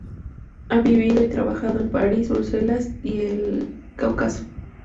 Ha vivido y trabajado en París, Bruselas y El Cáucaso.